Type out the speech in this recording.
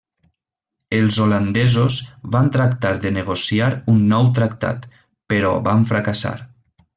Els holandesos van tractar de negociar un nou tractat, però van fracassar.